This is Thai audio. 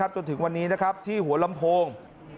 จนถึงวันนี้ที่หัวลำโพง